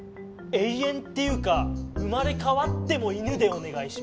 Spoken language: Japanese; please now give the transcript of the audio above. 永遠っていうか生まれ変わっても犬でお願いします。